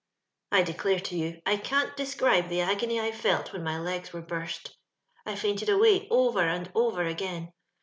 " I declare to you I can't describe the agony I felt when my legs were burst ; I fainted away over and over again.